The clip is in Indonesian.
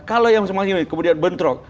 kalau yang semakin kemudian bentrok